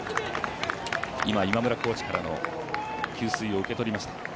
今、今村コーチからの給水を受け取りました。